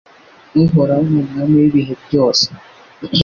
Uhoraho ni Umwami w’ibihe byose